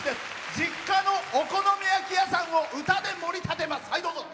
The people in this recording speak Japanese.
実家のお好み焼き屋さんを歌で盛り立てます。